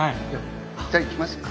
じゃあ行きましょうか。